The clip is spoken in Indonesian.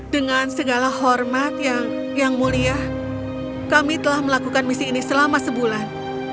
dengan segala hormat yang mulia kami telah melakukan misi ini selama sebulan